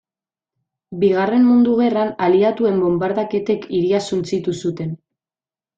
Bigarren Mundu Gerran aliatuen bonbardaketek hiria suntsitu zuten.